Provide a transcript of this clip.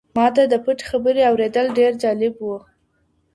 ما ته د پټې خبرې اورېدل ډېر جالب وو.